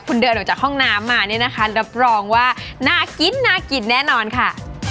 คุณเดินออกจากห้องน้ำมาเนี่ยนะคะรับรองว่าน่ากินน่ากินแน่นอนค่ะ